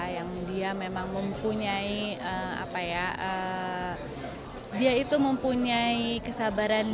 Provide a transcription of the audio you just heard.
yang dia memang mempunyai kesabaran